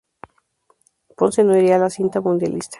Ponce no iría a la cita mundialista.